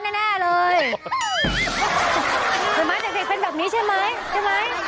แน่เลยเห็นไหมเด็กเป็นแบบนี้ใช่ไหมใช่ไหม